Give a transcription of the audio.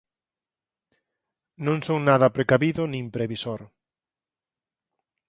Non son nada precavido nin previsor.